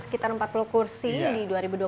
sekitar empat puluh kursi di dua ribu dua puluh